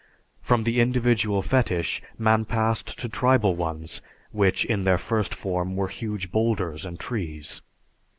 From the individual fetish man passed to tribal ones, which in their first form were huge boulders and trees.